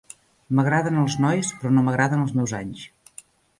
M'agraden els nois, però no m'agraden els meus anys.